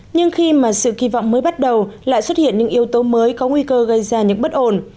nhưng khi mà sự kỳ vọng mới bắt đầu lại xuất hiện những yếu tố mới có nguy cơ gây ra những bất ổn